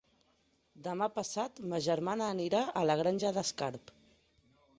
Demà passat ma germana anirà a la Granja d'Escarp.